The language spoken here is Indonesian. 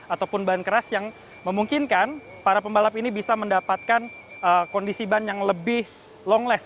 ataupun ban keras yang memungkinkan para pembalap ini bisa mendapatkan kondisi ban yang lebih longless